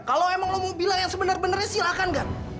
kalau emang lo mau bilang yang sebenar benarnya silahkan kan